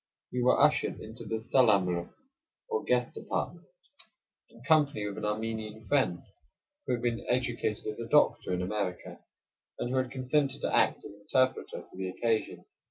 We were ushered into the selamliik, or guest apartment, in company with an Armenian friend who had been educated as a doctor in America, and who had consented to act as interpreter for the occasion.